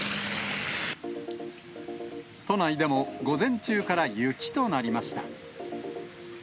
都内でも午前中から雪となりました。